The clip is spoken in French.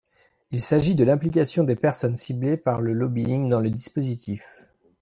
Il s’agit de l’implication des personnes ciblées par le lobbying dans le dispositif.